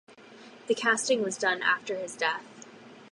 The casting was done after his death.